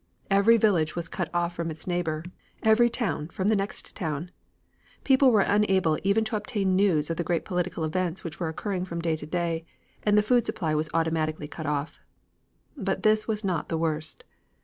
Every village was cut off from its neighbor, every town from the next town. People were unable even to obtain news of the great political events which were occurring from day to day, and the food supply was automatically cut off. But this was not the worst.